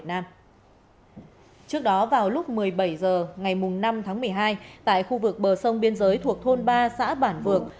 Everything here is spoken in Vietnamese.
trước đó vào lúc một mươi bảy h ngày năm tháng một mươi hai tại khu vực bờ sông biên giới thuộc thôn ba xã bản vược